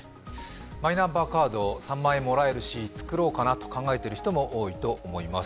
マイナンバーカード３万円もらえるし、作ろうかなと考えている人も多いと思います。